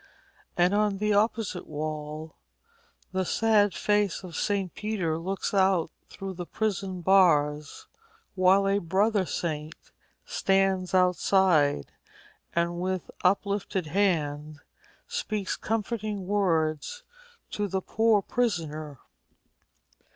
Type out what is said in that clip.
And on the opposite wall, the sad face of St. Peter looks out through the prison bars, while a brother saint stands outside, and with uplifted hand speaks comforting words to the poor prisoner.